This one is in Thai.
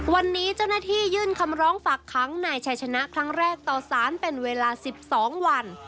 วันนี้เจ้าหน้าที่ยื่นคำร้องฝากค้างนายชัยชนะครั้งแรกต่อสารเป็นเวลา๑๒วัน